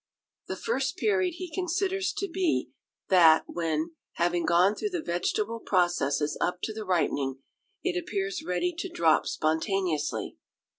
The first period he considers to be that when, having gone through the vegetable processes up to the ripening, it appears ready to drop spontaneously.